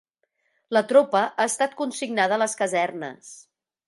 La tropa ha estat consignada a les casernes.